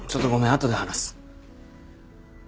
あとで話す。